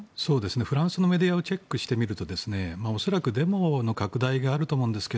フランスのメディアをチェックしてみると恐らくデモの拡大があると思うんですが